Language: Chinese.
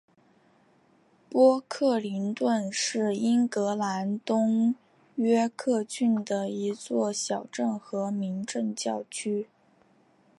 波克灵顿是英格兰东约克郡的一座小镇和民政教区。